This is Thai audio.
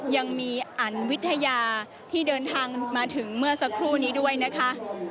ยังมีอันวิทยาที่เดินทางมาถึงเมื่อสักครู่นี้ด้วยนะคะ